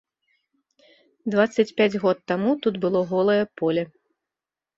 Дваццаць пяць год таму тут было голае поле.